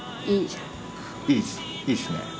いいっすね。